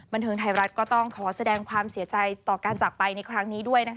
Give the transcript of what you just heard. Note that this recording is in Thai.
บันเทิงไทยรัฐก็ต้องขอแสดงความเสียใจต่อการจากไปในครั้งนี้ด้วยนะคะ